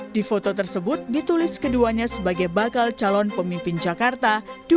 di foto tersebut ditulis keduanya sebagai bakal calon pemimpin jakarta dua ribu dua puluh